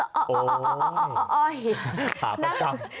ขาประจำ